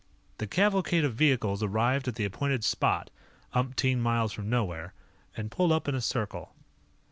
The cavalcade of vehicles arrived at the appointed spot umpteen miles from nowhere and pulled up in a circle.